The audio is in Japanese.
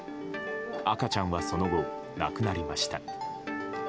赤ちゃんはその後、亡くなりました。